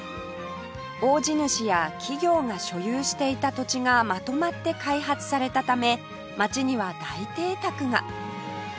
大地主や企業が所有していた土地がまとまって開発されたため街には大邸宅が